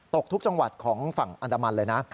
ตกทุกจังหวัดของฝั่งอันดามันเลยนะ